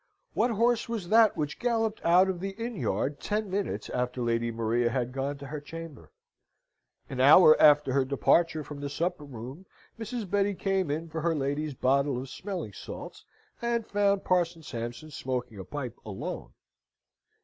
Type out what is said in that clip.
What horse was that which galloped out of the inn yard ten minutes after Lady Maria had gone to her chamber? An hour after her departure from their supper room, Mrs. Betty came in for her lady's bottle of smelling salts, and found Parson Sampson smoking a pipe alone.